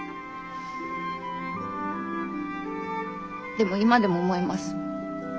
でも今でも思います。